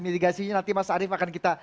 mitigasinya nanti mas arief akan kita